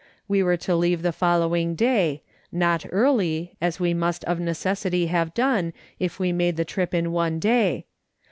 AVe were to leave on the following day ; not early, as we must of necessity have done, if we made the trip in one day.